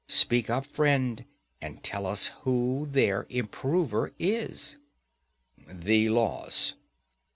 Speak up, friend, and tell us who their improver is. The laws.